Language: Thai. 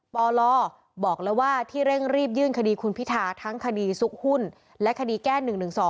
ปลบอกแล้วว่าที่เร่งรีบยื่นคดีคุณพิทาทั้งคดีซุกหุ้นและคดีแก้๑๑๒